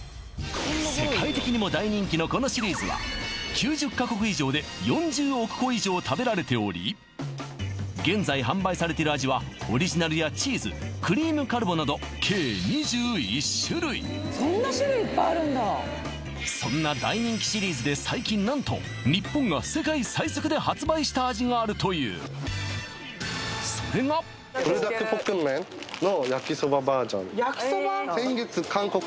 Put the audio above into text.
世界的にも大人気のこのシリーズは９０カ国以上で４０億個以上食べられており現在販売されている味はオリジナルやチーズクリームカルボなどそんな大人気シリーズで最近何とがあるという焼きそば？